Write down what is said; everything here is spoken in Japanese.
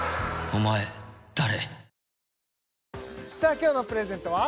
今日のプレゼントは？